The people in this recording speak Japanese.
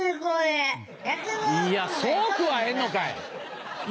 いやそうくわえんのかい！